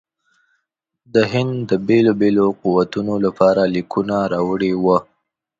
د هند د بېلو بېلو قوتونو لپاره لیکونه راوړي وه.